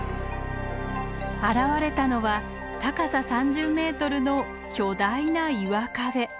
現れたのは高さ３０ｍの巨大な岩壁。